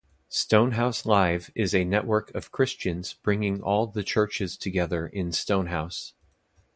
Stonehouse Live is a network of Christians bringing all the Churches together in Stonehouse.